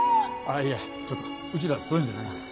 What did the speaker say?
いやちょっとうちらそういうのじゃないから。